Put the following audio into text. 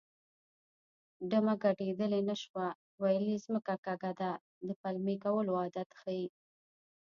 ډمه ګډېدلی نه شوه ویل یې ځمکه کږه ده د پلمې کولو عادت ښيي